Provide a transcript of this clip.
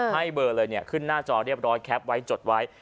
ให้เบอร์เลยเนี่ยขึ้นหน้าจอเรียบร้อยแคปไว้จดไว้